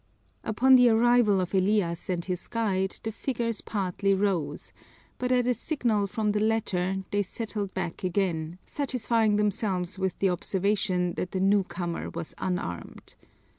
Upon the arrival of Elias and his guide the figures partly rose, but at a signal from the latter they settled back again, satisfying themselves with the observation that the newcomer was unarmed.